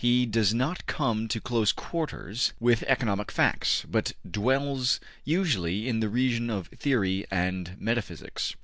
He does not come to close quarters with economic facts, but dwells usually in the regions of theory and metaphysics.